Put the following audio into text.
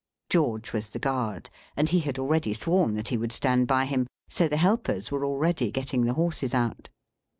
George was the guard, and he had already sworn that he would stand by him. So the helpers were already getting the horses out.